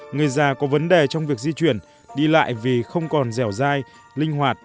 người già có vấn đề trong việc di chuyển đi lại vì không còn dẻo dai linh hoạt